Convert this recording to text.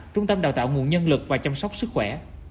trung tâm đào tạo nguồn nhân lực và chăm sóc sức khỏe